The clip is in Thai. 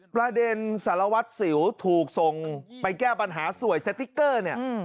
ประเด็นสารวัสดิ์สิวถูกทรงไปแก้ปัญหาสวยสติกเกอร์